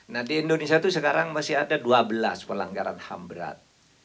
nah di indonesia itu sekarang masih ada dua belas pelanggaran ham berat